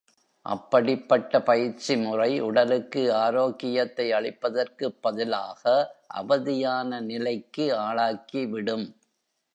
அப்படிப்பட்ட பயிற்சி முறை உடலுக்கு ஆரோக்கியத்தை அளிப்பதற்குப் பதிலாக, அவதியான நிலைக்கு ஆளாக்கிவிடும்.